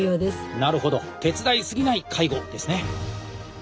なるほど「手伝いすぎない介護」ですね。